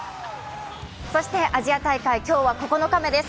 そしてアジア大会、今日は９日目です。